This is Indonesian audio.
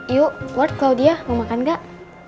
yuk lord claudia mau makan gak